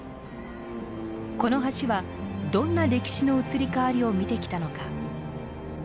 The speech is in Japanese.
この橋はどんな歴史の移り変わりを見てきたのか。